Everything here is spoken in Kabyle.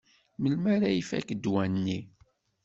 Melmi ara ifak ddwa-nni?